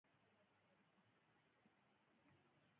دا سیمه لا هم ډیرې ناوییلې او پټې کیسې لري